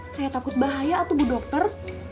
saya takut bahaya atau bu dokter